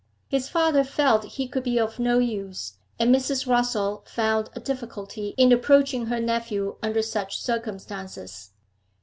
His father felt he could be of no use, and Mrs. Rossall found a difficulty in approaching her nephew under such circumstances.